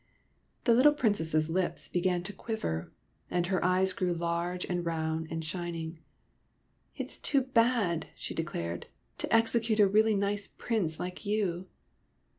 The little Princess's lips began to quiver, and her eyes grew large and round and shining. *' It is too bad," she declared, '' to execute a really nice Prince like you